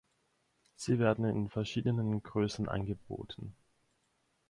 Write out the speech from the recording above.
Sie werden in verschiedenen Größen angeboten.